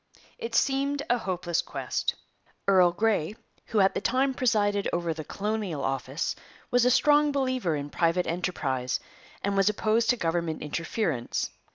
It seemed a hopeless quest. Earl Grey, who at the time presided over the Colonial Office, was a strong believer in private enterprise, and was opposed to government interference.